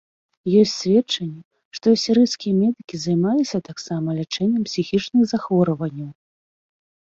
Ёсць сведчанні, што асірыйскія медыкі займаліся таксама лячэннем псіхічных захворванняў.